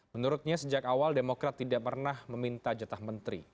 menurutnya sejak awal demokrat tidak pernah meminta jatah menteri